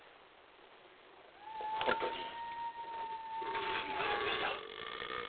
本当にすみませんでした。